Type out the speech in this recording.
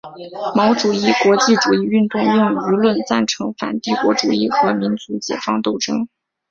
毛主义国际主义运动用舆论赞成反帝国主义和民族解放斗争。